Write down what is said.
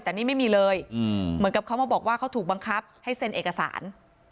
แต่นี่ไม่มีเลยเหมือนกับเขามาบอกว่าเขาถูกบังคับให้เซ็นเอกสาร